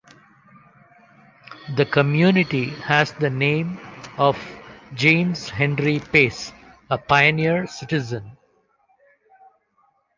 The community has the name of James Henry Pace, a pioneer citizen.